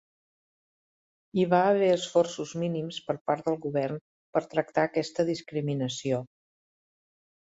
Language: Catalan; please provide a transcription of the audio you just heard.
Hi va haver esforços mínims per part del Govern per tractar aquesta discriminació.